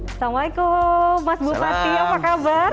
assalamualaikum mas bupati apa kabar